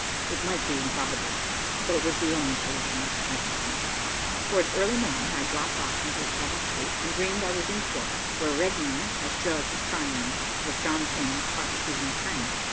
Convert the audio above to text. It might be improbable, but it was the only solution I could find. Towards early morning I dropped off into a troubled sleep, and dreamed I was in court, where Regnier, as judge, was trying me, with John King as prosecuting attorney.